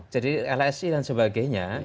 jadi lsi dan sebagainya